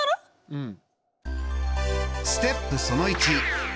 うん。